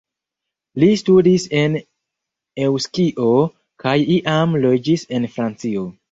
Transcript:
Li studis en Eŭskio kaj iam loĝis en Francio.